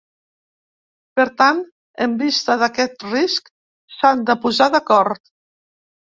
Per tant, en vista d’aquest risc, s’han de posar d’acord.